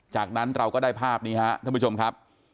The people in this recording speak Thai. จากนั้นเราก็ได้ภาพนี้ครับท่านผู้ชมครับ